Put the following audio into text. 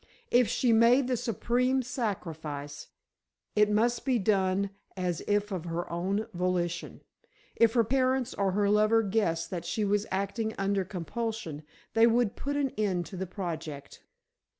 If she made the supreme sacrifice, it must be done as if of her own volition. If her parents or her lover guessed that she was acting under compulsion, they would put an end to the project.